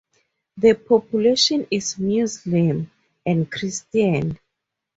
The population is Muslim and Christian.